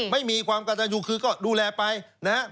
ไม่มีความกระตันยูคือก็ดูแลไปนะครับ